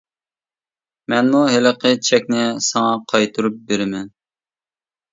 مەنمۇ ھېلىقى چەكنى ساڭا قايتۇرۇپ بېرىمەن.